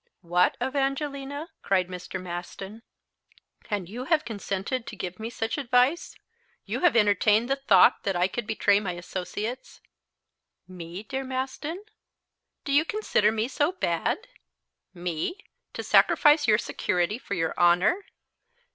"What, Evangelina!" cried Mr. Maston, "and you have consented to give me such advice. You have entertained the thought that I could betray my associates." "Me, dear Maston! Do you consider me so bad? Me! To sacrifice your security for your honor.